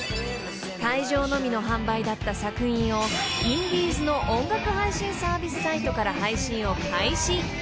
［会場のみの販売だった作品をインディーズの音楽配信サービスサイトから配信を開始。